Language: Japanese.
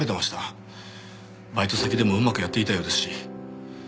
バイト先でもうまくやっていたようですし。